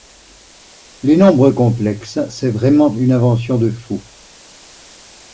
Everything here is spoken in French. Les nombres complexes, c'est vraiment une invention de fou.